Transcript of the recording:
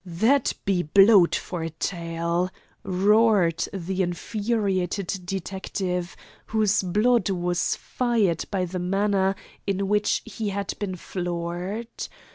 "That be blowed for a tale!" roared the infuriated detective, whose blood was fired by the manner in which he had been floored.